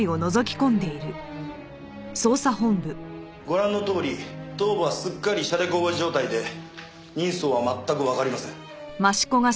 ご覧のとおり頭部はすっかり髑髏状態で人相は全くわかりません。